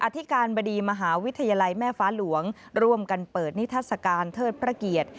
อธิการบดีมหาวิทยาลัยแม่ฟ้าหลวงร่วมกันเปิดนิทัศกาลเทิดพระเกียรติ